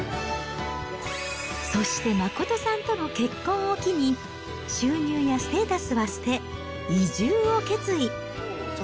そして真さんとの結婚を機に、収入やステータスは捨て、移住を決意。